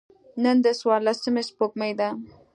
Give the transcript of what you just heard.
نن د څوارلسمي سپوږمۍ ده.